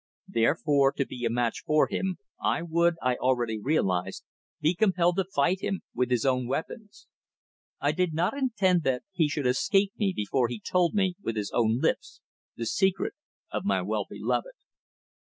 Therefore, to be a match for him, I would, I already realised, be compelled to fight him with his own weapons. I did not intend that he should escape me before he told me, with his own lips, the secret of my well beloved.